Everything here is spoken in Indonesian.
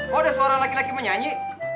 kok ada suara laki laki menyanyi